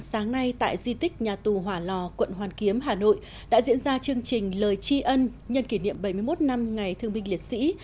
sáng nay tại di tích nhà tù hỏa lò quận hoàn kiếm hà nội đã diễn ra chương trình lời tri ân nhân kỷ niệm bảy mươi một năm ngày thương binh liệt sĩ